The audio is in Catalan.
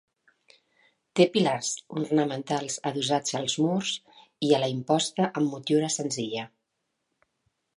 Té pilars ornamentals adossats als murs i a la imposta amb motllura senzilla.